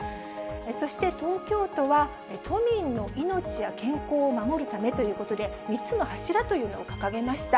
そして東京都は、都民の命や健康を守るためということで、３つの柱というのを掲げました。